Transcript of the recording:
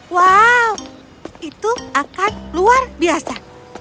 wow itu akan luar biasa